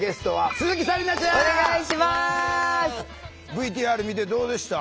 ＶＴＲ見てどうでした？